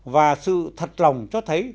và sự thật lòng cho thấy